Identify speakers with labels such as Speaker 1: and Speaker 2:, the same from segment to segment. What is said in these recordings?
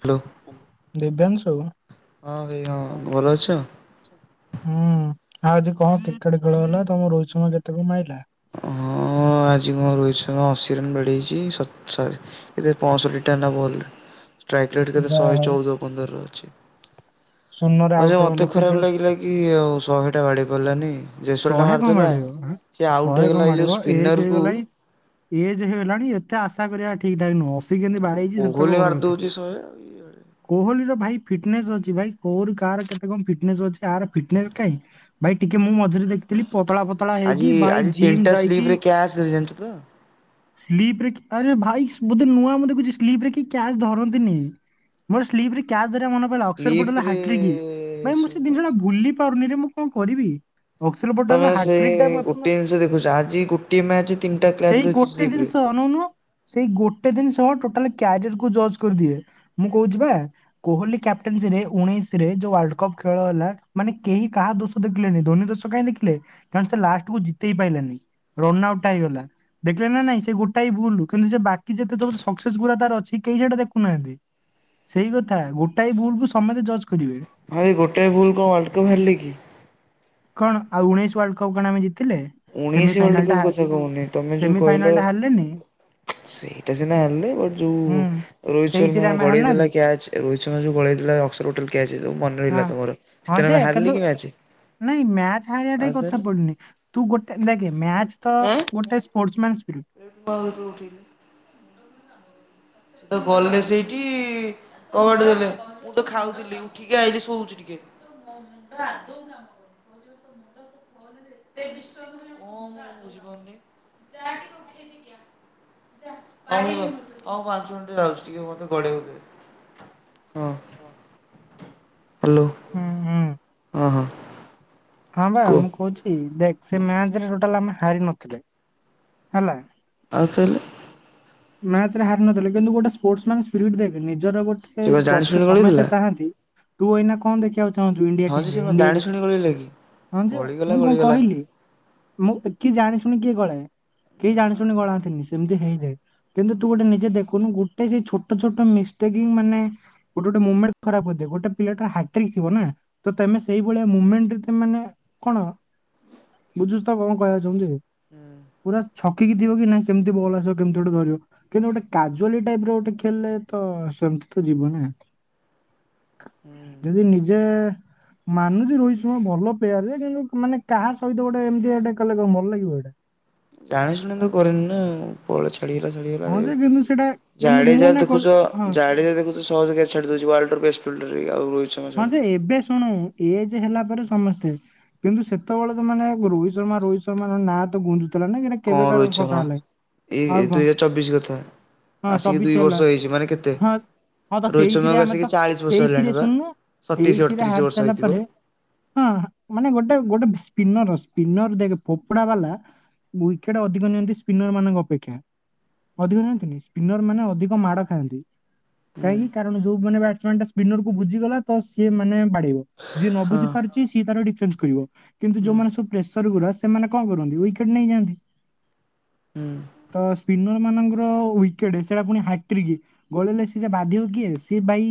Speaker 1: Hello
Speaker 2: Divyanshu.
Speaker 1: ହଁ ଭାଇ ହଁ ଭଲ ଅଛ?
Speaker 2: ହୁଁ ଆଉ ଆଜି କଣ କ୍ରିକେଟ ଖେଳ ହେଲା ତମ ରୋହିତ ସମା କେତେ କଣ ମାଇଲା?
Speaker 1: ହଁ ଆଜି କଣ ରୋହିତ୍ ଶର୍ମା ଅଶି ରନ୍ ବାଡେଇଚି ସତ୍ [unintelligible] ଚାରି। ଏ ପଞ୍ଚଷଠି ଟା ନା ବଲ? ଟ୍ରାଇକେଟିକା
Speaker 2: ଯାହା
Speaker 1: ଶହେ
Speaker 2: ହଉ
Speaker 1: ଚଉଦ ପନ୍ଦର ଅଛି
Speaker 2: ଶୂନରେ ଆଉଟ
Speaker 1: ଆଉ
Speaker 2: ହବା
Speaker 1: ମତେ
Speaker 2: ଲୋକ କେ
Speaker 1: ଖରାପ ଲାଗିଲା କି ଇ ଆଉ ଶହେ ଟା ବାଡି ପଡିଲାନି ଜେସଲ ଟା
Speaker 2: ଶହେ କଣ
Speaker 1: ମାରିଦେଲା
Speaker 2: ବାଡେଇବ ଆଁ
Speaker 1: ସେ ଆଉଟ
Speaker 2: ଶହେ
Speaker 1: ହେଲା ଏଇ ଯୋଉ ସ୍ପିନର କୁ
Speaker 2: ଏଜ୍‌ ହେଇଗଲାଣି ଏତେ ଆଶା କରିବା ଠିକ୍ ଠାକ୍ ନୁହଁ ସିୟେକେମିତି ବାଡେଇଛି
Speaker 1: କୋହଲି
Speaker 2: ସେତକ
Speaker 1: ମାରି
Speaker 2: ବଡ କଥା।
Speaker 1: ଦଉଛି ଶହେ।
Speaker 2: କୋହଲି ର ଭାଇ ଫିଟନେସ୍ ଅଛି ଭାଇ କୋହୁ କାହାର କେତେ କ ଫିଟନେସ୍ ଅଛି ଆହାର ଫିଟନେସ କାଇଁ। ଭାଇ ଟିକେ ମୁଁ ମଝିରେ ଦେଖିଥିଲି ପତଳା ପତଳା
Speaker 1: ଆଜି
Speaker 2: ହେଇକି ଭାଇ
Speaker 1: ଆଜି
Speaker 2: ଜିମ୍
Speaker 1: ତିନିଟା ସ୍ଲିପ
Speaker 2: ଯାଇକି।
Speaker 1: ରେ କ୍ୟାଚ୍ ଜାଣିଛ ତ?
Speaker 2: ସ୍ଲିପ ରେ କି ଆରେ ଭାଇ ବୋଧେ ନୂଆ ମୁ ଦେଖୁଛି ସ୍ଲିପ୍ରରେ କି କ୍ୟାଚ ଧରନ୍ତିନି। ମୋର ସ୍ଲିପ ରେ କ୍ୟାସ ଧରିବାକୁ ମନା କଲା ଅଫସର
Speaker 1: ସ୍ଲିପ
Speaker 2: ପଠେଇଲା
Speaker 1: ରେ
Speaker 2: ହାଇଟ୍ରିକ ଭାଈ ମୁଁହ
Speaker 1: ଶୁଣ
Speaker 2: ସେ ଜିନିଷଟା ଭୁଲି ପାରୁନିରେ ମୁଁ କଣ କରିବି। ଅକ୍ସଲ
Speaker 1: ତମେ
Speaker 2: ପଟେଲ
Speaker 1: ସେଇ
Speaker 2: ହାଟ୍ରିକ ଟା ମୁଁ ଏପର୍ଯ୍ୟନ୍ତ
Speaker 1: ଗୋଟଏ ଜିନିଷ ଦେଖୁଛ ଆଜି ଗୋଟିଏ ମ୍ୟାଚ ତିନିଟା କ୍ଲାସ୍ ଧରିଛି।
Speaker 2: କେତେ
Speaker 1: ସ୍ଲିପ ରେ।
Speaker 2: ଜିନିଷ ଅନାଉନୁ। ସେଇ ଗୋଟେ ଜିନିଷ ଟୋଟାଲ କ୍ୟାରିୟରକୁୁ ଜଜ୍ କରିଦିଏ ମୁଁ କହୁଛି ବା। କୋହଲି କ୍ୟାପଟନସି ରେ ଉଣେଇଶରେ ଯୋଉ ୱାର୍ଲଡ କପ ଖେଳ ହେଲା ମାନେ କେହି କାହା ଦୋଷ ଦେଖିଲେନି ଧୋନୀ ଦୋଷ କାହିଁ ଦେଖିଲେ କାର ସେ ଲାଷ୍ଟ କୁ ଜିତେଇ ପାଇଲାନି ରନ ଆଉଟ ଟା ହେଇଗଲା। ଦେଖିଲେ ନା ନାଇଁ ସେ ଗୋଟା ଭୁଲ କିନ୍ତୁ ସେ ବାକି ଯେତେ ତ ସକ୍ସେସ ଗୁରା ତାର ଅଛି କେହି ସେଟା ଦେଖୁନାହାନ୍ତି। ସେଇ କଥା ଗୋଟାଏ ଭୁଲ କୁ ସମେତେ ଜଜ୍ କରିବେ।
Speaker 1: ଭାଇ ଗୋଟେ ଭୁଲ କଣ ୱାର୍ଲଡ କପ୍ ହାରିଲି କି।
Speaker 2: କଣ ଆଉ ଉଣେଇଶ ୱାର୍ଲଡ କପ୍ କଣ ଆମେ ଜିତିଲେ?
Speaker 1: ଉଣେଇଶ ୱାର୍ଲଡ
Speaker 2: ସେମିଫାଇନାଲ ଟା
Speaker 1: କପ୍ କଥା କହୁନି ତମେ ଯୋଉ
Speaker 2: ସେମିଫାଇନାଲ
Speaker 1: କହିଲ?
Speaker 2: ଟା ହାରିଲେନି
Speaker 1: ସେଇଟା ସିନା ହେଲେ ବଟ
Speaker 2: ହୁଁ।
Speaker 1: ଯୋଉ ରୋହିତ ଶର୍ମା
Speaker 2: ତେଇଶିରେ ଆମେ
Speaker 1: ଗଡେଇ
Speaker 2: ହାରିନାହାନ୍ତି
Speaker 1: ଦେଲା କୟାଚ। ରୋହିତ ଶର୍ମା ଯୋଉ ଗଳେଇଲା ଅସରୋଟଲ୍ କ୍ୟାଚ ମନେ
Speaker 2: ହଁ
Speaker 1: ରହିଲ ତମର
Speaker 2: ହଁ ଯେ
Speaker 1: ସେଥିରେ
Speaker 2: କିନ୍ତୁ
Speaker 1: ହାରିଲି ମ୍ୟାଚ।
Speaker 2: ନାଇଁ ମ୍ୟାଚ ହାରିବା ଟା କଥା ପଡୁିନି ତୁ ଗୋଟେ ଦେଖେ ମ୍ୟାଚ ତ
Speaker 1: ଆଁ
Speaker 2: ଗୋଟେ ସ୍ପୋର୍ସ ମ୍ୟାନ।
Speaker 1: [unintelligible] ତ ଗଲେ ସେଇଠି କବାଟେ ଦେଲେ ମୁଁ ତ ଖାଉଥିଲି ଉଠିକି ଆଇଲି ଶୋଉଛି ଟିକେ। ମୁଁ ବୁଝିପାରୁନି। ହଉ ହଉ ପାଞ୍ଚ ମିନିଟ ଯାଉଛି ଟିକେ ମତେ ଗଡେଇ ହବାକୁ ଦେ। ହଁ ହ୍ୟାଲୋ।
Speaker 2: ହୁଁ ହୁଁ।
Speaker 1: ହଁ ହଁ
Speaker 2: ହଁ ବା
Speaker 1: କୁହ
Speaker 2: ମୁଁ କହୁଛି ଦେଖ ମ୍ୟାଚ ଆମେ ଟୋଟାଲୀ ହାରି ନଥିଲେ ହେଲା।
Speaker 1: ଆଉ ତାହାଲେ?
Speaker 2: ମ୍ୟାଚ ରେ ହାରି ନଥିଲେ କିନ୍ତୁ ଗୋଟେ ସ୍ପୋର୍ଟସ ମ୍ୟାନ ସ୍ପିରିଟ୍ ଦେ ନିଜର ଗୋଟେ
Speaker 1: ସେ କଣ ଜାଣି
Speaker 2: ପ୍ରକ
Speaker 1: ଶୁଣି
Speaker 2: ସମୟ
Speaker 1: ଗଳିଥିଲା?
Speaker 2: ଚାହାନ୍ତି। ତୁ ଏଇନା କଣ ଦେଖିବାକୁ ଚାହୁଁଛୁ ଇଣ୍ଡିଆ
Speaker 1: ହଁ ଯେ
Speaker 2: ଟିମ୍
Speaker 1: ସେ
Speaker 2: ରେ
Speaker 1: କଣ
Speaker 2: ଇଣ୍ଡିଆ
Speaker 1: ଜାଣି ଶୁଣି ଗଳିଲା କି?
Speaker 2: ଯେ
Speaker 1: ଗଳିଗଲା
Speaker 2: ମୁଁ କଣ
Speaker 1: ଗଳିଗଲା
Speaker 2: କହିଲି? ମୁଁ କିଏ ଜାଣି ଶୁଣି କିଏ ଗଳା କିଏ
Speaker 1: ନା
Speaker 2: ଜାଣି ଶୁଣି
Speaker 1: ହୁଁ
Speaker 2: ଗଳାନ୍ତିନି ସେମିତି ହେଇଯାଏ। କିନ୍ତୁ ତୁ ଗୋଟେ ନିଜେ ଦେଖୁନୁ ଗୋଟେ ସେଇ ଛୋଟ ଛୋଟ ମିଷ୍ଟେକ ହି ମାନେ ଗୋଟେ ଗଟେ ମୁଭମେଟ ଖରାପ ହ ଗଟ ପିଲାଟା ହାଟରେ ଥିବା ନା। ତ ତମେ ସେଇଭଳିଆ ମୁମେଣ୍ଟ ରେ ମାନେ କଣ ବୁଝୁଛ ତ କଣ କହିବାକୁ ଚାହୁଁଛି।
Speaker 1: ହୁଁ।
Speaker 2: ପୁରା ଛକି ଥିବ କି ନା କେମିତି ବଳ ଆସିବ କେମିତି ଗୋଟେ ଧରିବ। କିନ୍ତୁ ଗୋଟେ କାଜୁଆଲି ଟାଇପ ର ଗୋଟେ ଖେଳିଲ ତ ସେମିତି ତ ଯିବ ନା।
Speaker 1: ହୁଁ
Speaker 2: ଯଦି ନିଜେ ମାନୁଛି ରୋହିତ ଶର୍ମା ଭଲ ପ୍ଲେୟାର ଯେ କିନ୍ତୁ ମାନେ କାହା ସହିତ ଗୋଟେ ଏମିତି ଏଇଟା କଲେ କଣ ଭଲ ଲାଗିବ ଏଇଟା।
Speaker 1: ଟାଣାଶୁଣି ତ କରନି ନା। ପଳେ ଛାଡିଗଲା ଛାଡିଗଲା
Speaker 2: ହଁ ଯେ କିନ୍ତୁ ସେଇଟା କିନ୍ତୁ
Speaker 1: ଜାଡେ
Speaker 2: ମୁଁ
Speaker 1: ଯାହା
Speaker 2: ନା କହୁ
Speaker 1: ଦେଖୁଛ
Speaker 2: ହଁ
Speaker 1: ଜାଡେ ଯା ଦେଖୁଛ। ସହଜ ଛାଡିଦଉଛି ୱାଲଡ ର [unintelligible] ଆଉ ଶର୍ମା
Speaker 2: ହଁ
Speaker 1: ଛାଡୁ
Speaker 2: ଯେ ଏବେ ଶୁଣୁ ଏଜ ହେଲା ପରେ ସମସ୍ତେ କିନ୍ତୁ ସେତେବେଳେ ତ ମାନେ ରୋହିତ ଶର୍ମା ରୋହିତ ଶର୍ମା ନାଁ ତ ଗୁୁ ଥିଲା ନାଇଁ କି
Speaker 1: କଣ
Speaker 2: କେବେ କ
Speaker 1: ରୋହିତ
Speaker 2: କଥା
Speaker 1: ଶର୍ମା
Speaker 2: ହେଲା ଆଉ
Speaker 1: ଏଇ
Speaker 2: କଣ?
Speaker 1: ଦୁଇ ହଜାର ଚବିଶ କଥା
Speaker 2: ହଁ
Speaker 1: ଆସିକି
Speaker 2: ଚବିଶ
Speaker 1: ଦୁଇ ବର୍ଷ
Speaker 2: ହେଲା
Speaker 1: ହେଇଛି ମାନେ କେତେ
Speaker 2: ହଁ ହଁ ତ
Speaker 1: ରୋହିତ
Speaker 2: ତେଇଶି ରେ
Speaker 1: ଶର୍ମାକୁ
Speaker 2: ଆମେ
Speaker 1: ଆସିକି
Speaker 2: ତ
Speaker 1: ଚାଳିଶ ବର୍ଷ
Speaker 2: ତେଇଶି
Speaker 1: ହେଲାଣି
Speaker 2: ରେ
Speaker 1: ବା
Speaker 2: ଶୁଣନୁ
Speaker 1: ସତେଇଶ
Speaker 2: ତେଇଶିରେ
Speaker 1: ଅଠତିରିଶ
Speaker 2: ହାରି
Speaker 1: ବର୍ଷ
Speaker 2: ସାରିଲା
Speaker 1: ହେଇଥିବ।
Speaker 2: ପରେ ହଁ ମାନେ ଗୋଟେ ଗୋଟେ ସ୍ପିନର ସ୍ପିନର ଦେଖ ଫୋପଡା ବାଲା ୱିକେଟ୍ ଅଧିକ ନିଅନ୍ତି ସ୍ପିନର ମାନଙ୍କ ଅପେକ୍ଷା। ଅଧିକ ନିଅନ୍ତିନି ସ୍ପିନର ମାନେ ଅଧିକ ମାଡ଼ ଖାଆନ୍ତି।
Speaker 1: ହୁଁ
Speaker 2: କାହିଁକି କାରଣ ଯୋଉ ମାନେ ବ୍ୟାଟମ ଟା ସ୍ପିନର କ ବୁଝିଗଲା ତ ସିଏ ମାନେ ବାଡିବ। ଯିଏ ନ
Speaker 1: ହଁ
Speaker 2: [unintelligible] ସିଏ ତାର ଡିଫେନ୍ସ କରିବ କିନ୍ତୁ ଯୋଉମାନେ ସବୁ ପ୍ରେସର ଗୁରା ସେମାନେ କଣ କରନ୍ତି ୱିକେଟ ନେଇଯାଆନ୍ତି। ତ ସ୍ପିନର ମାନଙ୍କର ୱିକେଟ ସେଟା ପୁଣି ହାଟରିକି ଗୋଳିଲେ ସିଏ ଯେ ବାଧିବ କିଏ ସିଏ ଭାଇ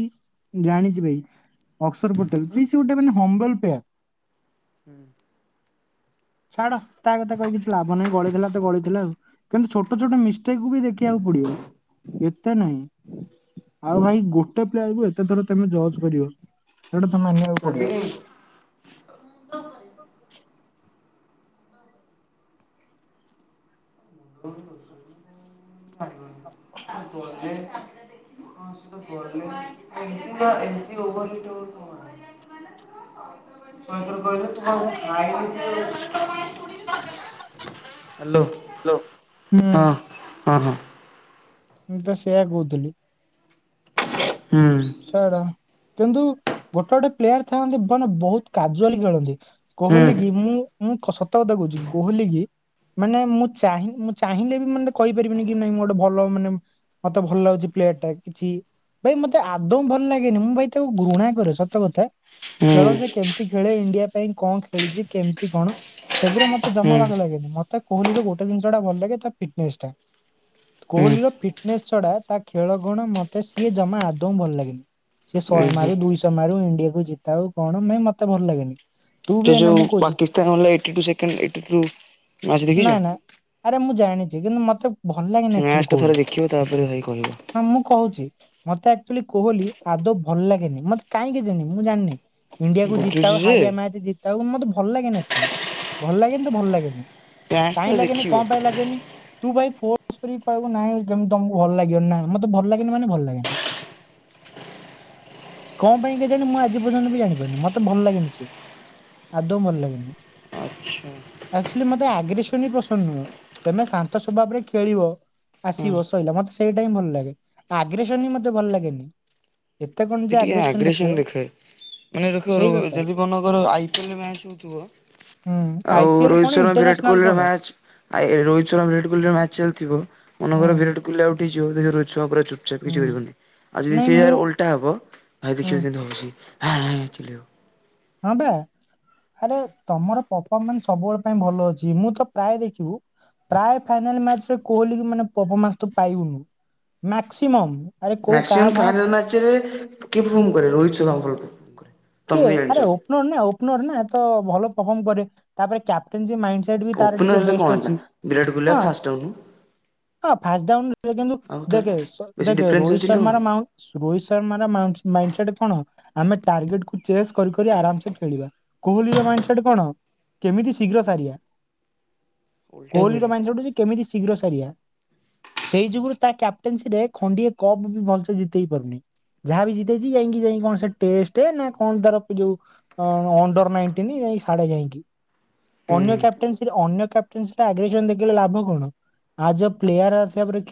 Speaker 2: ଜାଣିଚି ଭାଇ ଅକ୍ସଫର୍ ପୋଟେଲ [unintelligible] ସେ ଗୋଟେ ହମ୍ବଲ ପ୍ଲେୟାର। ଛାଡ ତା କଥା କହି କିଛି ଲାଭ ନାହିଁ ଗଳିଥିଲା ତ ଗଳିଥିଲା ଆଉ। କିନ୍ତୁ ଛୋଟ ଛୋଟ ମିଷ୍ଟେକ୍କୁ ବି ଦେଖିବାକୁ ପଡିବ ଏତେ ନାହିଁ। ଆଉ ଭାଇ ଗୋଟେ ପ୍ଲେୟାର କୁ ଏତେ ଥର ତମେ ଜଜ୍ କରିବ ସେଇଟା ତମେ ମାନିବାକୁ ପଡିବ। ହ
Speaker 1: ହୁଁ ହୁଁ [unintelligible] କହିଲ [unintelligible] ହ୍ୟାଲୋ।
Speaker 2: ହଲୋ ହୁଁ।
Speaker 1: ହଁ ହଁ।
Speaker 2: ମୁଁ ତ ସେଇୟଆ କହୁଥିଲି।
Speaker 1: ହୁଁ ହୁଁ
Speaker 2: ସେଟା କିନ୍ତୁ ଗୋଟେ ଗୋଟେ ପ୍ଲେୟାର ଥାଆନ୍ତି ମାନେ ବୋହୁତ କାଜୁଆଲି ଖେଳନ୍ତି।
Speaker 1: ହୁଁ
Speaker 2: କୋହଲି
Speaker 1: ହୁଁ।
Speaker 2: କି ମୁଁ ମୁଁ ସତ କତା କହୁଚି କୋହଲି କି ମାନେ ମୁଁ ଚାଁ ମୁଁ ଚାହିଁଲେ ବି ମାନେ କହିପାରିବିନି କି ନାଇଁ ମୁଁ ଗୋଟେ ଭଲ ମାନେ ମତେ ଭଲ ଲାଗୁଚି ପ୍ଲେୟାର ଟା କିଛି ଭାଇ ମତେ ସେ ଆଦୌମ ଭଲ ଲାଗେନି ମୁଁ ଭାଇ ତାକୁ ଘୃଣା କରେ ସତ କଥା। ଖେଳ
Speaker 1: ହୁଁ
Speaker 2: ଯେ କେମିତି ଖେଳେ ଇଣ୍ଡିଆ ପାଇଁ କଣ ଖେଳିଚି କେମିତି କଣ। ସେଗୁରା ମତେ
Speaker 1: ଉଁ
Speaker 2: ଜମା ବାଗ ଲାଗେନି ମତେ କହଲି ର ଗୋଟେ ଜିନିଷଟା ଭଲ ଲାଗେ ତା ଫିଟନେସ ଟା। ସ୍କୁଲର ଫିଟନେସ୍ ଛଡା ତା ଖେଳ ଗୁଣ ମତେ ସିଏ ଜମା ଆ ଭଳ ଲାଗେନି ସେ ଶହେ
Speaker 1: ହୁଁ
Speaker 2: ମାରୁ ଦୁଇ ଶହ ମାରୁ ଇଣ୍ଡିଆ କୁ ଜିତାଉ କଣ ମାଇ ମତେ ଭଲ ଲାଗେନି। ତୁ ବି
Speaker 1: ସେ
Speaker 2: ଏଇନା
Speaker 1: ଯେଉଁ
Speaker 2: ମୁଁ କହୁଛି
Speaker 1: ପାକିସ୍ତାନ ହେଲା eighty two second eighty two match
Speaker 2: ନା
Speaker 1: ଦେଖିଚ?
Speaker 2: ନା ଆରେ ମୁଁ ଜାଣିଚି କିନ୍ତୁ ମତେ ଭଲ
Speaker 1: ସେ
Speaker 2: ଲାଗେନି ଆକଚଲି
Speaker 1: ମ୍ୟାଚ୍ ଟା ଥରେ
Speaker 2: କୋହିଲିକୁ।
Speaker 1: ଦେଖିବ ତାପରେ ଭାଇ କହିବ
Speaker 2: ହଁ ମୁଁ କହୁଚି ମତେ ଆକ୍ଚୁଆଲି କୁହିଲ ଆଦୌ ଭଲ ଲାଗେନି ମତେ କାହିଁକି କେଜ ନି ମୁଁ ଜାଣିନି। ଇଣ୍ଡିଆ କୁ ଜିତାଉ
Speaker 1: ବୁଝୁଛି ଯେ
Speaker 2: ହାରିଆ ମ୍ୟାଚ ଜିତାଉ ମତେ ଭଲ ଲାଗେନି ଆକ୍ଚୁଲି ଭଲ ଲାଗେନି ତ ଭଲ ଲାଗେନି।
Speaker 1: ମ୍ୟାଚ୍ ଟା
Speaker 2: କାଇହିଁ ଲାଗେନି
Speaker 1: ଦେଖିବ
Speaker 2: କଣ ପାଇଁ ଲାଗେନି କୁଁ [unintelligible] କେମତି ତମକୁ ଭଲ ଲାଗିବ ନାଁ ମତେ ଭଲ ଲାଗେନି ମାନେ ଭଲ ଲାଗେନି। କଣ ପାଇଁ କି ଜାଣି ମୁଁ ଆଜି ପର୍ଯ୍ୟନ୍ତ ବି ଜାଣିପାରୁନି ମତେ ଭଲ ଲାଗନି ସେ। ଆଦୌଉ ଲାଗେନି।
Speaker 1: ଆଚ୍ଛା।
Speaker 2: ମତେ ଆଗ୍ରେସନ ପସନ୍ଦ ନୁହଁ ତମେ ଶାନ୍ତ ସଭାବରେ ଖେଳିବ।
Speaker 1: ହଁ
Speaker 2: ଆସିବ ସଇଲା ମତେ ସେଇଟା ହିଁ ଭଲ ଲାଗେ ଆଗ୍ରସନୀ ମତେ ଭଲ ଲାଗେନି। ଏତେ କଣ
Speaker 1: ସେ
Speaker 2: ଯେ
Speaker 1: ଟିକେ
Speaker 2: ଆଗ୍ରେସନ ଦେଖିବ।
Speaker 1: ଦେଖାଏ। ମାନେ ରଖ ଯଦି ମନଙ୍କର ଆଇପିଏଲ୍‌ ମ୍ୟାଚ ହୋଉଥିବ।
Speaker 2: ହୁଁ ଆଇ
Speaker 1: ଆଉ
Speaker 2: ପି ଏଲ
Speaker 1: ରୋହିତ
Speaker 2: କଣ
Speaker 1: ଶର୍ମା ବିରାଟ
Speaker 2: ଇଣ୍ଟରନ୍ୟାସନାଲ
Speaker 1: କୋଲି ର
Speaker 2: କଣ
Speaker 1: ମ୍ୟାଚ ଆ ରୋହି ଶର୍ ବିରାଟ କୋଲିର ମ୍ୟାଚ ଚାଲିଥିବ ମନ
Speaker 2: ହୁଁ
Speaker 1: କର ବିରାଟୋଲି ଆଉଟ ହେଇଯ ଦେଖ ରୋହିତ ଶର୍ମା ଚୁ କିଛି
Speaker 2: ହୁଁ
Speaker 1: କରିବୁନି ଆଉ ଯଦି
Speaker 2: ନାଇଁ
Speaker 1: ସେଇ
Speaker 2: ମୁଁ
Speaker 1: ଯାରେ ଓଲଟା ହବ ଭାଇ
Speaker 2: ହୁଁ
Speaker 1: ଦେଖିବ କିନ୍ତୁ [unintelligible]
Speaker 2: ହଁ ବା ଆରେ ତମର ପଫର୍ମାନ୍ସ ସବୁବେଳେ ପାଇଁ ଭଲ ଅଛି ମୁଁ ତ ପ୍ରାୟ ଦେଖିବୁ ପ୍ରାୟ ଫାଇନାଚ କୋହିଲି କୁ ତୁ ପପମାନସ ତ ପାଇବୁନି। ମ୍ୟାକ୍ସିମମ୍। ଆରେ କୋଉ କାଁ
Speaker 1: ମାକ୍ସିଅମ
Speaker 2: ଭାଁ
Speaker 1: ଫାଇନାଲ ମ୍ୟାଚରେ କିଏ ପ୍ରଫର୍ମ କରେ, ରୋହିତ ଶର୍ମା ପ୍ରଫର୍ମ କରେ। ତମେ
Speaker 2: କିଏ
Speaker 1: ବି ଜାଣିଛ
Speaker 2: ଆରେ ଓପନର ନା ଓପନର ନା ତ ଭଲ ପରଫର୍ମ କରେ, ତାପରେ କ୍ୟାପଟେନ୍ସି ମାଇ ସେଟ୍ ବି ତାର
Speaker 1: ଓପନର
Speaker 2: ଟିକେ
Speaker 1: ହେଲେ କଣ
Speaker 2: ବେଷ୍ଟ
Speaker 1: ହେଲା
Speaker 2: ଅଛି।
Speaker 1: ବିରାଟ କୋହଲି ବା
Speaker 2: ହଁ।
Speaker 1: ଫାଷ୍ଟ ଡାଉନ୍
Speaker 2: ହଁ ଫାଷ୍ଟ ରେ ଡାଉନ ରେ
Speaker 1: ଆଉ ତାର
Speaker 2: ଦେଖେ
Speaker 1: ବେଶୀ
Speaker 2: ଦେଖେ
Speaker 1: ଡିଫରେନ୍ସ
Speaker 2: ରୋହିତ
Speaker 1: ଅଛି ନା କଣ
Speaker 2: ଶର୍ମା ର ମା ରୋହିତ ଶର୍ମାର ମାଇଣ୍ଡ ସେଟ କଣ, ଆମେ ଟାର୍ଗେଟ ଚେସ୍ କରି କରି ଆରାମ୍ ସେ ଖେଳିବା, କୋହଲୀ ର କଣ କେମିତି ଶୀଘ୍ର ସାରିବା।
Speaker 1: ଓଲଟା
Speaker 2: କୋହଲୀ
Speaker 1: କହିଲ
Speaker 2: ର ମାଇଣ୍ଡ ସେଟ୍ ହେଉଛି କେମିତି ଶୀଘ୍ର ସାରିବା। ସେଇ ଯୁଗୁରୁ ତା କ୍ୟାପ୍ଟେନସି ରେ ଖଣ୍ଡିଏ କପ୍ ବି ଭଲସେ ଜିତେଇ ପାରୁନି। ଯାହା ବି ଜିତେଇଛି ଯାଇକି ଯାଇ କଣ ସେ ଟେଷ୍ଟ ନା କଣ ତାର ଯୋଉ ଅଣ୍ଡର ନାଇଟିନ ସାଡେ ଯାଇକି
Speaker 1: ହୁଁ।
Speaker 2: ଅନ୍ୟ କ୍ୟାପ୍ଟେସି ରେ, ଅନ୍ୟ କ୍ୟାପ ଟ୍ରିନ୍ସ ଟା ଆଗେଇ ଯିବା ଦେଖିଲେ ଲାଭ କଣ? ଆଜ୍ ଅ ପ୍ଲେୟାର ଆସିବା ପରେ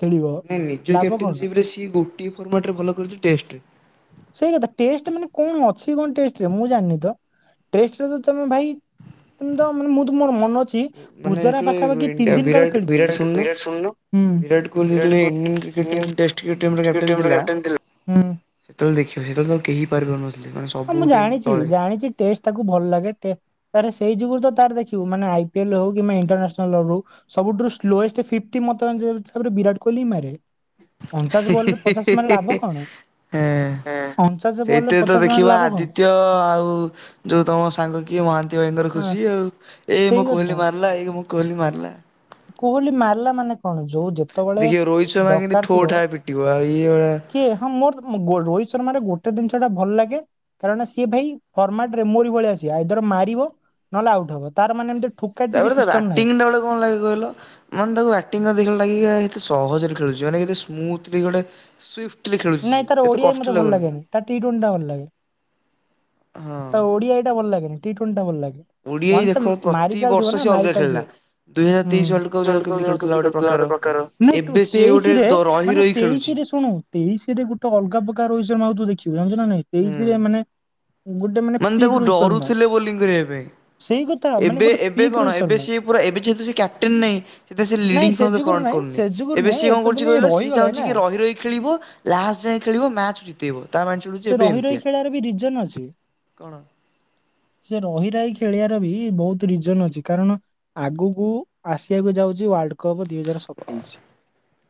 Speaker 1: ନାଇଁ ନିଜ କ୍ୟାପ୍ଟେନସିପ ରେ ସିଏ ଗୋଟଏ ଫର୍ମାଟ ରେ ଭଲ କରିଛି ଟେଷ୍ଟରେ।
Speaker 2: ସେଇ କଥା ଟେଷ୍ଟ ମାନେ କଣ ଅ ସିଏ କଣ ଟେଷ୍ଟ୍ ରେ, ମୁଁ ଜାଣିନି ତ ଟେଷ୍ଟ୍ ରେ ତମେ ଭାଇ, ତମେ ତ ମୁଁ ତ ମୋର ମନ ଛି
Speaker 1: ମାନେ
Speaker 2: ପୂଜାରେ ପାଖାପାଖି ତିନି
Speaker 1: ଯେତେବେଳେ
Speaker 2: ଦିନ୍ କାଳେ
Speaker 1: ବିରାଟ
Speaker 2: ଖେଳିଛି।
Speaker 1: ବିରାଟ ଶୁଣୁନ
Speaker 2: ଟିକେ ଶୁନୁ। ହୁଁ।
Speaker 1: ବିରାଟ କୋହଲି ଯେତେବେଳେ Indian cricket team test cricket
Speaker 2: [unintelligible]
Speaker 1: ସେତେଳେ ଦେଖିବ ସେତେବେଳେ ଆଉ କେହି ପାରୁ ନଥିଲେ।
Speaker 2: ହଁ ମୁଁ ଜାଣିଛି ଜାଣିଛି ଟେଷ୍ଟ ତାକୁ ଭଲ ଲାଗେ, ଟେ ତାର ସେଇ ଯୁଗରୁ ତାର ଦେଖିବୁ ମାନେ ଆଇ ପିଏଲ୍ ହଉ କିମ୍ବା ଇଣ୍ଟରନାସନାଲ ର ହଉ ସବୁଠୁ ସ୍ଲୋଏଷ୍ଟ ଫ୍ଟିଟ୍ ମତାବରେ ବିରାଟ କୋହଲି ମାରେ ଅଞ୍ଚାସ ବଲରେ ପଚାଶ ମାରିଲେ ଲାଭ କଣ?
Speaker 1: ହେଁ
Speaker 2: ହୁଁ। ଅଞ୍ଚାସ ବଲରେ
Speaker 1: ସେଇଥିରେ ତ
Speaker 2: ପଚାଶ ମାରିଲେ
Speaker 1: ଦେଖିବା
Speaker 2: ଲାଭ କଣ
Speaker 1: ଆଦିତ୍ୟ ଆଉ ଯୋଉ ତମ ସାଙ୍ଗ କିଏ ମହାନ୍ତି ଭାଇ ଙ୍କର
Speaker 2: ହଁ
Speaker 1: ଖୁସି ଆଉ। ଏଇ
Speaker 2: ସେଇ
Speaker 1: ମୁଁ କୋହଲି ମାରିଲା ଏଇ ମୁଁ କୋହଲି ମାରିଲା।
Speaker 2: କୋହଲୀ ମାରିଲା ମାନେ କଣ? ଯୋଉ ଯେ
Speaker 1: ଦେଖିବ ରୋହିତ ଶର୍ମା କେମିତି ଠୋ ଠା ପିଟିବ ଆଉ ଇଏ ଭଳିଆ
Speaker 2: କିଏ ହଁ ମୋର ରୋହିତ ଶର୍ମାରେ ଗୋଟେ ଜିନିଷ ଟା ଭଲ ଲାଗେ କାରଣ ସିଏ ଭାଇ ଫର୍ମାଟ ରେ, ମୋର ଭଳିଆ ସିଏ, ଆଇଦର ମାରିବ ନହେଲେ ଆଉଟ ହବ ତାର ମାନେ ଏ ଠୁ
Speaker 1: ତା ପରେ ତା ବ୍ୟାଟିଙ୍ଗଟା ବେଳେ କଣ ଲାଗିବ ଭଲ, ମାନେ ତାକୁ ବ୍ୟାଟିଂ ଏତେ ଭଲ ଲାଗେ କି, ସହଜରେ ଖେଳୁଛି ମାନେ କେତେ ସ୍ମୁଥଲି ଗୋଟେ ସୁଫ୍ଟିଲି ଖେଳୁଛି
Speaker 2: ନାଇଁ
Speaker 1: ସିଏ
Speaker 2: ତାର
Speaker 1: ଏତେ
Speaker 2: ଓଡିଆଇ ମତେ
Speaker 1: କଷ୍ଟ
Speaker 2: ଭଲ
Speaker 1: ଲାଗୁନି।
Speaker 2: ଲାଗେନି ତା ଟି ଟ୍ୱେଣ୍ଟି ଟା ଭଲ ଲାଗେ
Speaker 1: ହଁ।
Speaker 2: ତା ଓଡ଼ିଆ ଆଇ ଟା ଭଲ ଲାଗେନି ଟି ଟୁେଣ୍ଟି ଟା ଭଲ ଲାଗେ।
Speaker 1: ଓଡିଆଇ
Speaker 2: ୱାନସ
Speaker 1: ଦେଖ
Speaker 2: ଟା ମାରି
Speaker 1: ପ୍ରତିବର୍ଷ
Speaker 2: ଚାଲିଥିବ ନା,
Speaker 1: ସିଏ
Speaker 2: ମାରି
Speaker 1: ଅଲଗା
Speaker 2: ଚାଲିଥିବ।
Speaker 1: ଖେଳିଲା।
Speaker 2: ହୁଁ। ୱାର୍ଲଡ କପ୍ କେମିତି ଖେଳୁଥିଲା ଗୋଟେ ପ୍ରକାର। ମୁଁ ଏଠୁ
Speaker 1: ଏବେ ସିଏ ଗୋଟେ
Speaker 2: ତେଇଶିରେ,
Speaker 1: ଦ ରହି
Speaker 2: ମାନେ
Speaker 1: ରହି ଖେଳୁଛି
Speaker 2: ତେଇଶିରେ ଶୁଣୁ ତେଇଶିରେ ଗୋଟେ ଅଲଗା ପ୍ରକାର ରୋହିତ୍ ଶର୍ମା ତୁ ଦେଖିବୁ, ଜାଣିଛୁନା ନାଇଁ
Speaker 1: ହୁଁ।
Speaker 2: ତେଇଶିରେ ମାନେ। ଗୋଟେ
Speaker 1: ମାନେ
Speaker 2: ପିକ୍
Speaker 1: ତାକୁ
Speaker 2: ରୋହିତ ଶର୍ମା
Speaker 1: ଡରୁଥିଲେ ବୋଲିଂ କରିବା ପାଇଁ।
Speaker 2: ସେଇ କଥା ମାନେ
Speaker 1: ଏବେ
Speaker 2: ଗୋଟେ
Speaker 1: ଏବେ
Speaker 2: ପିକ୍
Speaker 1: କଣ,
Speaker 2: ରୋହିତ
Speaker 1: ଏବେ
Speaker 2: ଶର୍ମା।
Speaker 1: ସିଏ ପୁରା ଏବେ ଯେହେତୁ ସେ କ୍ୟାପଟେନ୍ ନାହିଁ ସେ ତ ସେ
Speaker 2: ନାଇଁ
Speaker 1: ଲିଡିଙ୍ଗ
Speaker 2: ଯୁଗୁରୁ
Speaker 1: ଫ୍ରଣ୍
Speaker 2: ନାଇଁ
Speaker 1: କରୁନି,
Speaker 2: ସେ ଯୁଗୁରୁ
Speaker 1: ଏବେ
Speaker 2: ନାଇଁ
Speaker 1: ସିଏ କଣ
Speaker 2: ଏତେ ଦିନ
Speaker 1: କରୁଛି କହିଲୁ, ସିଏ
Speaker 2: ରହିଗଲେ ନା
Speaker 1: ଚାହୁଛି କି ରହି ରହି ଖେଳିବ ଲାଷ୍ଟ ଯାଏଁ ଖେଳିବ ମ୍ୟାଚ୍ ଜିତେଇବ ତା ମାଇଣ୍ଡ ସେକ୍ ହେଉଛି ଏବେ ଏମିତିଆ।
Speaker 2: ତାର ବି ରିଜନ ଅଛି।
Speaker 1: କଣ?
Speaker 2: ସେ ରହି ରହି ଖେଳିବାର ବି ବୋହୁତ୍ ରିଜନ ଅଛି କାରଣ ଆଗକୁ ଆସିବାକୁ ଯାଉଛି ୱାର୍ଲଡ କପ୍ ଦୁଇ ହଜାର ସ ତେଇଶି,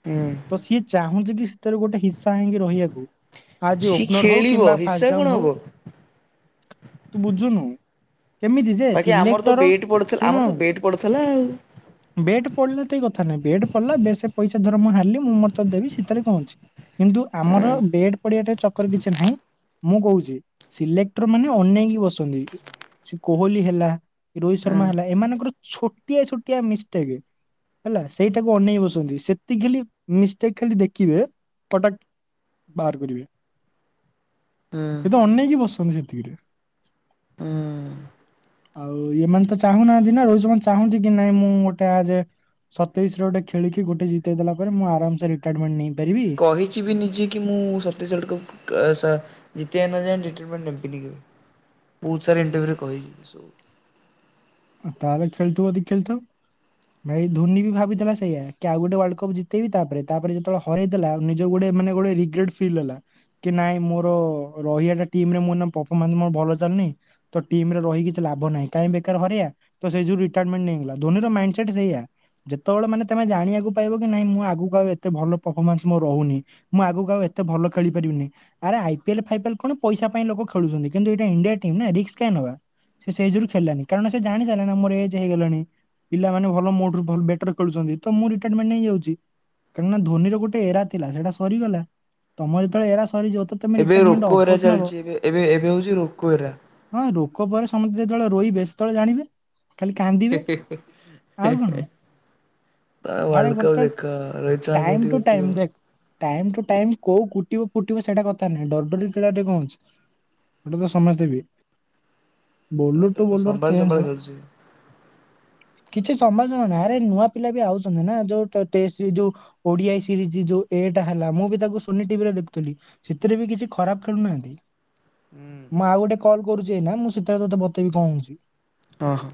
Speaker 1: ହୁଁ
Speaker 2: ତ ସିଏ ଚାହୁଁନ୍ତି କି ସେଥିର ଗୋଟେ ହିସା କାହିଁ ରହିବାକୁ, ଆଜ
Speaker 1: ସିଏ
Speaker 2: ଓପନର ହଉ
Speaker 1: ଖେଳିବ
Speaker 2: କିମ୍ବା
Speaker 1: ହିସା କଣ
Speaker 2: ଫାର୍ଶଡାଉନ୍
Speaker 1: ହବ।
Speaker 2: ହୋଉ। ତୁ ବୁଝୁନୁ। କେମିତି ଯେ
Speaker 1: ବାକି ଆମର ତ
Speaker 2: ସିଲେକ୍ଟର
Speaker 1: ବେଟ୍ ପଡିଥିଲା ଆମର
Speaker 2: ଶୁଣ
Speaker 1: ତ ବେଟ୍ ପଡିଥିଲା ଆଉ
Speaker 2: ବେଟ୍ ପଡିଲା ଟିକ କଥା ନହିଁ ବେଟ୍ ପଡିଲା ବେଶ ପଇସା ଧର ମୁ ହାରିଲି ମୁଁ ମୋତ ଦେବି ଶୀତରେ କଣ ଅଛି। କିନ୍ତୁ ଆମର
Speaker 1: ହଁ
Speaker 2: ବେଡ୍ ପଡିଆଟା ଚ କି ନାହିଁ ମୁଁ କହୁଛି ସିଲେଟର ମାନେ ଅନେଇକି ବସନ୍ତି। ସେ କୋହଲି ହେଲା ରୋହିତ
Speaker 1: ହଁ
Speaker 2: ଶର୍ମା ହେଲା ଏମାନଙ୍କର ଛୋଟିଆ ଛୋଟିଆ ମିଷ୍ଟେକ୍। ହେଲା ସେଇଟାକୁ ଅନେଇ ବସନ୍ତି ସେତିକିଲି ମିଷ୍ଟେକ୍ ଖାଲି ଦେଖିବେ କଟାକ ବାହାର କରିବେ।
Speaker 1: ହଁ।
Speaker 2: ସେ ତ ଅନେଇକି ବସଛନ୍ତି ସେତିକିରେ।
Speaker 1: ହୁଁ।
Speaker 2: ଆଉ ଇମାନେ ତ ଚାହୁଁନାହାନ୍ତି ନା ରୋହିତ ଶର୍ମା ଚାହୁଁନ୍ତି କି ନାଇଁ ମୁଁ ଗୋଟେ ଆଜ ସତେଇଶରେ ଗୋଟେ ଖେଳିକି ଗଟେ ଜିତେଇଦଲା ପରେ ମୁଁ ଆରାମସେ ରିଟାୟାରମେଣ୍ଟ ନେଇ
Speaker 1: ସେ କହିଛି ବି ନିଜେ କି ମୁଁ ସତୀଶ ଗଡକୁ ଜିତ ନ ଯାଏ ରିଟେମେଣ୍ଟ ନେବି। କିଣିକିବେ ବହୁତ ସାରା ଇଣ୍ଟରଭି୍ୟୁରେ କହିଯିବ ସବୁ।
Speaker 2: ତାହେଲେ ଖେଳଥିବ ଯଦି ଖେଳଥଉ। ଭାଇ ଧୋନି ବି ଭାବିଥିଲା ସେୟା କି ଆଉ ଗୋଟେ ୱାର୍ଲଡ କପ ଜିତେଇବି ତାପରେ ତାପରେ ଯେତବେଳେ। ହରେଇ ଥିଲା ନିଜ ଗୋଟେ ମାନେ ଗୋଟେ ରଗ୍ରେଟ ଫିଲ ହେଲା ନାଇଁ ମୋର ରହିବାଟା। ଟିମ ରେ ମୁଁ ପରଫମାନ୍ସ ମୋର ଭଲ ଚାଲନି ତ ଟିମରେ ରହି କିଛି ଲାଭ ନାହିଁ କାଇଁ ବେକାର ହରିଆ। ତ ସେଇ ଯଉ ରିଟାୟାରମେଟ ନେଇଗଲା ଧ୍ୱନି ର ମାଇଣ୍ଡ ସେଟ ସେୟା। ଯେତେବେଳେ ମାନେ ତମେ ଜାଣିବାକୁ ପାଇବ କି ନାଇଁ ମୁଁ ଆଗକୁ ଆଉ ଏତେ ଭଲ ପରଫମାନ୍ସ ମୋ ରହୁନି। ମୁଁ ଆଗକୁ ଆଉ ଏତେ ଭଲ ଖେଳି ପାରିବିନି। ଆରେ ଆଇିପିଏଲ୍ ଫାଇପିଏଲ୍ କଣ ପଇସା ପାଇଁ ଲୋକ ଖେଳୁଚନ୍ତି କିନ୍ତୁ ଏଇଟା ଇଣ୍ଡିଆ ଟିମ୍ ନା ରିକ୍ସ୍ କାଇଁ ନବା। ସେ ସେଇ ଯୋଗୁର ଖେଳିଲାନି କାରଣ ସେ ଜାଣି ସାଇଲାଣି ନା ମୋର ଏଜ ହେଇଗଲାଣି। ପିଲାମାନେ ଭଲ ମୋରଠୁ ଭ ବେଟର ଖେଳୁଛନ୍ତି ତ ମୁଁ ରିଟାରମେଣ୍ଟ ହେଇଯାଉଛି। କାହିଁକି ନା ଧୋନିର ଗୋଟେ ଏରା ଥିଲା ସେଟା ସରିଗଲା ତମ ଯେତେବେଳେ ଏରା ସରିଯିବ। ତ ତମେ
Speaker 1: ଏବେ
Speaker 2: ରିଟାୟାରମେଣ୍ଟ
Speaker 1: ରୋକଏରା
Speaker 2: ଅଫକୋର୍ସ ନବ।
Speaker 1: ଚାଲିଛି ଏବେ ଏବେ ଏବେ ହଉଛି ରୋକଏରା।
Speaker 2: ହଁ ରୋକ ପରେ ସମସ୍ତେ ଯେତେବେଳେ ରୋଇବେ ସେତେବେଳେ ଜାଣିବେ। ଖାଲି କାନ୍ଦିବେ ଆଉ କଣ? ଆରେ
Speaker 1: ୱାର୍ଲଡ କପ୍
Speaker 2: ଗୋଟେ
Speaker 1: ଦେଖ ରୋହିତ ଶର୍ମା କେମିତି
Speaker 2: ଟାଇମ ଟୁ
Speaker 1: ପିଟିବ।
Speaker 2: ଟାଇମ ଦେଖ ଟାଇମ ଟୁ ଟାଇମ କୋଉ କୁଟିବ ଫୁଟିବ ସେଇଟା କଥା ନାହିଁ ଡରଡରି ଖେଳିବାରେ କଣ ଅଛି। ଗଟା ତ ସମସ୍ତ ଦେବ ବୋଲର ଟୁ ବୋଲର
Speaker 1: ସମ୍ଭାଳି
Speaker 2: ଚେଞ୍ଜ
Speaker 1: ସମ୍ଭାଳି ଖେଳୁଛି
Speaker 2: କିଛି [unintelligible] ଆରେ ନୂଆ ପିଲା ବି ଆଉଚନ୍ତି ନା ଯଉ [unintelligible] ଯଉ ଓଡିଆ ସିରିଜ ଯୋଉ ଏଟା ହେଲା ମୁଁ ବି ତାକୁ ସୋନି ଟିଭିରେ ଦେଖୁଥିଲି। ଶୀଥିରେ ବି କିଛି ଖରାପ ଖେଳୁନାହାନ୍ତି।
Speaker 1: ହୁଁ।
Speaker 2: ମୁଁ ଆଉ ଗୋଟେ କଲ କରୁଛି ଏନା ମୁଁ ସେଥିରେ ତତେ ବତେଇବି କଣ ହଉଛି।
Speaker 1: ହଁ।